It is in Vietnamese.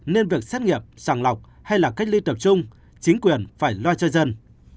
nên việc xét nghiệm sàng lọc hay là cách ly tập trung chính quyền phải loa cho dân